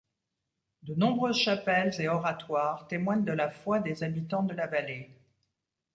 De nombreuses chapelles et oratoires témoignent de la foi des habitants de la vallée.